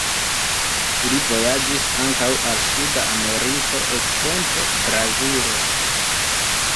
Ili vojaĝis ankaŭ al suda Ameriko, ekzemple Brazilo.